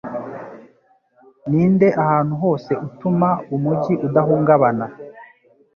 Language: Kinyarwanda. ninde ahantu hose utuma umujyi udahungabana